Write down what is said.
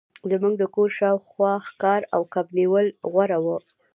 زموږ د کور شاوخوا ښکار او کب نیول غوره وو